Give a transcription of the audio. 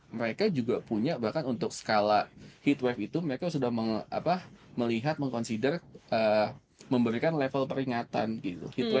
mereka juga punya bahkan untuk skala heat weve itu mereka sudah melihat meng consider memberikan level peringatan gitu